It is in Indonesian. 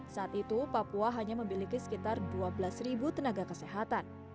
saat itu papua hanya memiliki sekitar dua belas tenaga kesehatan